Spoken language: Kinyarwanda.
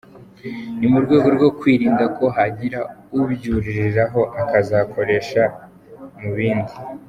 Ni mu rwego rwo kwirinda ko hagira ubyuririraho akazikoresha mu bindi.